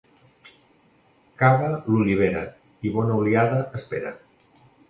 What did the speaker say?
Cava l'olivera i bona oliada espera.